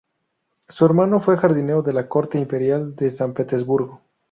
Su hermano fue jardinero de la Corte imperial de San Petersburgo.